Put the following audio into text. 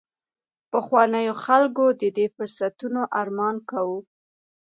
پخوانیو خلکو د دې فرصتونو ارمان کاوه